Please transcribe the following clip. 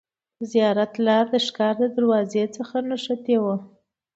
د زیارت لار له ښکار دروازې څخه نښتې وه.